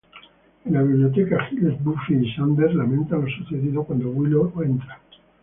En la biblioteca, Giles, Buffy y Xander lamentan lo sucedido cuando Willow entra.